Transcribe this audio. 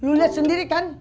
lo liat sendiri kan